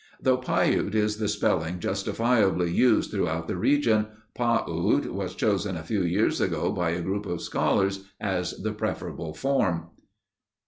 Though "Piute" is the spelling justifiably used throughout the region, "Pahute" was chosen a few years ago by a group of scholars as the preferable form.